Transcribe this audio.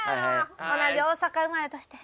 同じ大阪生まれとして。